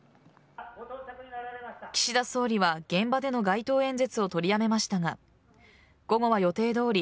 岸田総理は現場での街頭演説を取りやめましたが午後は予定どおり